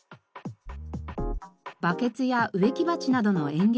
バケツや植木鉢などの園芸